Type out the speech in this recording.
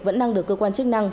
vẫn đang được cơ quan chức năng